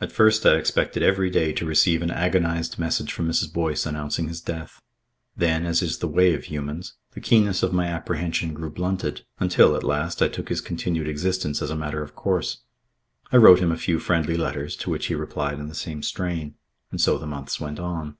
At first I expected every day to receive an agonised message from Mrs. Boyce announcing his death. Then, as is the way of humans, the keenness of my apprehension grew blunted, until, at last, I took his continued existence as a matter of course. I wrote him a few friendly letters, to which he replied in the same strain. And so the months went on.